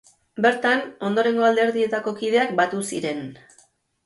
Bertan ondorengo alderdietako kideak batu ziren.